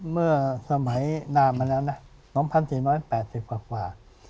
เมื่อสมัยนานมาแล้วนะ๒๔๘๐กว่า